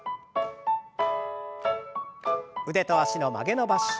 腕と脚の曲げ伸ばし。